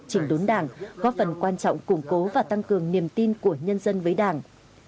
chỉnh đốn đảng góp phần quan trọng củng cố và tăng cường niềm tin của nhân dân với đảng